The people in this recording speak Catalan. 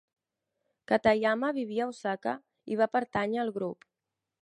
Katayama vivia a Osaka i va pertànyer al grup.